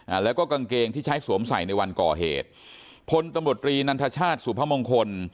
อ่าแล้วก็กางเกงที่ใช้สวมใส่ในวันก่อเหตุพลตำรวจรีนันทชาติสุพมงคล